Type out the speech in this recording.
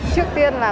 trước tiên là